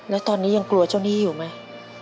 แล้วตอนนี้ยังกลัวเจ้าหนี้อยู่ไหม